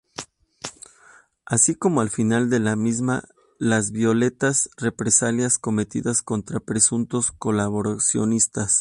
Así como al final de la misma las violentas represalias cometidas contra presuntos colaboracionistas.